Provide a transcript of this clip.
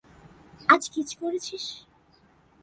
আজ কিস করেছিস?